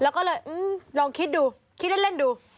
แล้วก็เลยลองคิดดูคิดเล่นดู